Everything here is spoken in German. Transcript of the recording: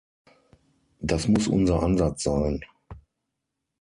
Das muss unser Ansatz sein.